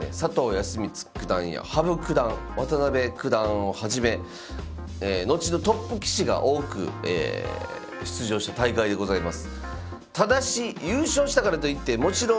康光九段や羽生九段渡辺九段をはじめ後のトップ棋士が多く出場した大会でございます。